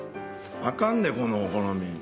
あかんでこのお好み。